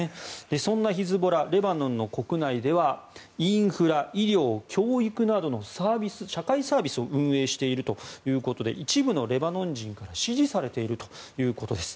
そんなヒズボラレバノンの国内ではインフラ、医療、教育などの社会サービスを運営しているということで一部のレバノン人から支持されているということです。